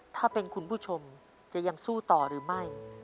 ถ้าเป็นคุณผู้ชมจะยังสู้ต่อหรือไม่